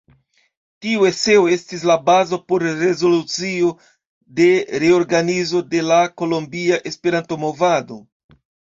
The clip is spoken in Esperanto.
Tiu eseo estis la bazo por rezolucio de reorganizo de la Kolombia Esperanto-Movado.